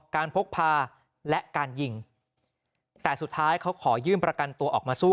พกพาและการยิงแต่สุดท้ายเขาขอยื่นประกันตัวออกมาสู้